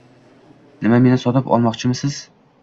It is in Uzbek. Nima, meni sotib olmoqchimisiz